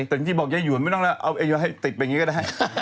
แต่จริงจริงบอกไยหยวนไม่ต้องแล้วเอาไยหยวนให้ติดไปอย่างนี้ก็ได้